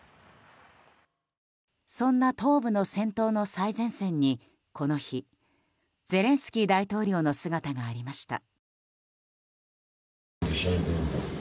そんな東部の戦闘の最前線にこの日ゼレンスキー大統領の姿がありました。